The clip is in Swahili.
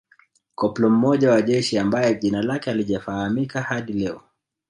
Koplo mmoja wa jeshi ambaye jina lake halijafahamika hadi leo